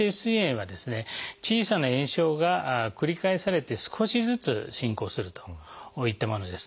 小さな炎症が繰り返されて少しずつ進行するといったものです。